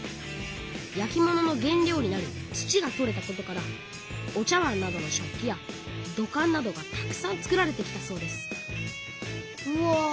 焼き物の原料になる土がとれたことからお茶わんなどの食器や土管などがたくさん作られてきたそうですうわ